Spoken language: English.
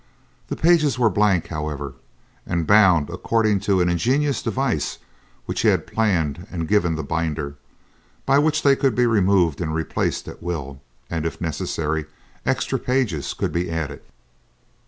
The pages were blank, however, and bound according to an ingenious device which he had planned and given the binder, by which they could be removed and replaced at will, and, if necessary, extra pages could be added.